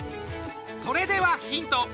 それではヒント。